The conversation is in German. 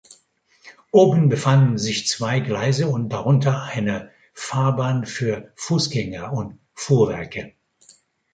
Oben befanden sich zwei Gleise und darunter eine Fahrbahn für Fussgänger und Fuhrwerke.